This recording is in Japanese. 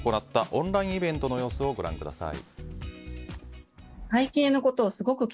オンラインイベントの様子をご覧ください。